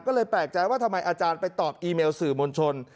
ก็เลยแปลกใจว่าทำไมอาจารย์ไปตอบอีเมลสื่อมวลชน